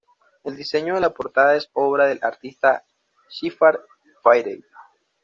El diseño de la portada es obra del artista Shepard Fairey.